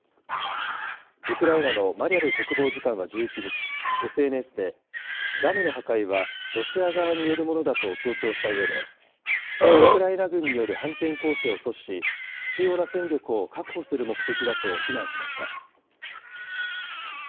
ウクライナのマリャル国防次官は１１日、ＳＮＳで、ダムの破壊はロシア側によるものだと強調したうえで、ウクライナ軍による反転攻勢を阻止し、必要な戦力を確保する目的だと非難しました。